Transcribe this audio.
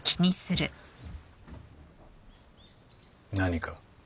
何か？